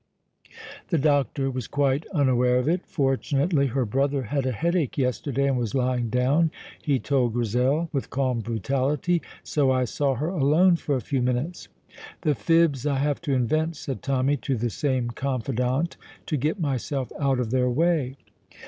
The doctor was quite unaware of it. "Fortunately, her brother had a headache yesterday and was lying down," he told Grizel, with calm brutality, "so I saw her alone for a few minutes." "The fibs I have to invent," said Tommy, to the same confidante, "to get myself out of their way!"